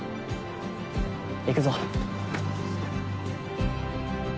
行くぞ。